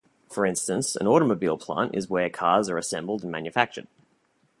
For instance, an automobile plant is where cars are assembled and manufactured.